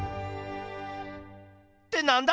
ってなんだ？